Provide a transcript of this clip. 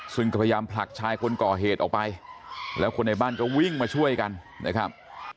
ซึ่งก็พยายามผลักชายคนก่อเหตุออกไปแล้วคนในบ้านก็วิ่งมาช่วยกันนะครับ